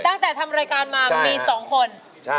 ตั้งแต่ทำรายการมามี๒คน